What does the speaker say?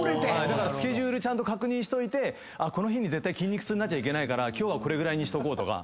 だからスケジュールちゃんと確認しといてこの日に絶対筋肉痛になっちゃいけないから今日はこれぐらいにしとこうと。